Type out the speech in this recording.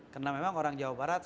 karena memang orang jawa barat